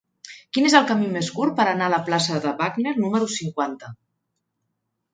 Quin és el camí més curt per anar a la plaça de Wagner número cinquanta?